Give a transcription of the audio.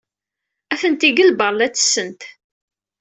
Atenti deg lbaṛ, la ttessent.